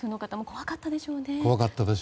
怖かったでしょうね。